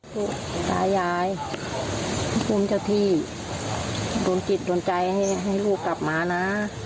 ลูกตายายภูมิเจ้าที่โดนจิตโดนใจให้ลูกกลับมานะ